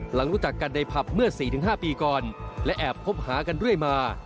หลังรู้จักกันในผับเมื่อสี่ถึงห้าปีก่อนและแอบคบหากันเรื่อยมา